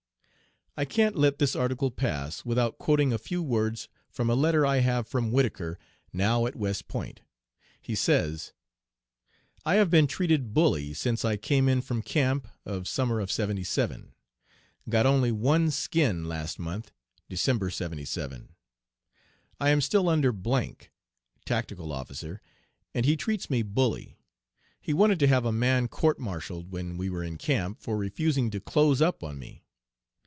I can't let this article pass without quoting a few words from a letter I have from Whittaker, now at West Point. He says: "I have been treated bully since I came in from camp (of summer of '77). Got only one 'skin' last month (Deccember, '77). I am still under '' (tactical officer), and he treats me bully; he wanted to have a man court martialled, when we were in camp, for refusing to close up on me.